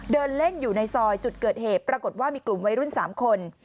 เดินเล่นอยู่ในซอยจุดเกิดเหตุปรากฏว่ามีกลุ่มวัยรุ่น๓คน